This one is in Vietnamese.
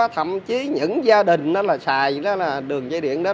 thậm chí những gia đình xài đường dây điện